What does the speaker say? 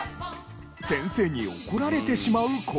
先生に怒られてしまう子も。